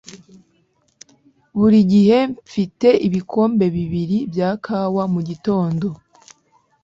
buri gihe mfite ibikombe bibiri bya kawa mugitondo